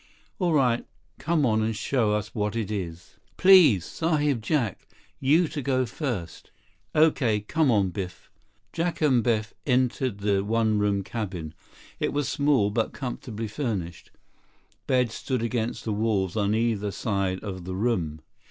"All right. Come on and show us what it is." "Please, Sahib Jack. You to go first." "Okay. Come on, Biff." Jack and Biff entered the one room cabin. It was small, but comfortably furnished. Beds stood against the walls on either side of the room.